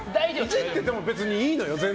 いじってても別にいいのよ。